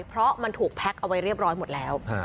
เพราะมันถูกแพ็คเอาไว้เรียบร้อยหมดแล้ว